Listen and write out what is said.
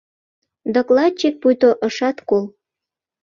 Докладчик пуйто ышат кол.